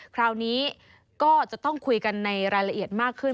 คราวนี้ก็จะต้องคุยกันในรายละเอียดมากขึ้น